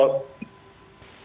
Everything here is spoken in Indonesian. apakah itu berbahaya